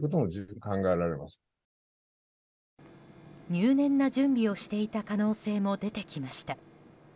入念な準備をしていた可能性も出てきました。